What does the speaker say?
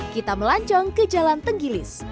kita melancong ke jalan tenggilis